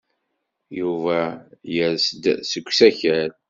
Yuba yers-d seg usakal.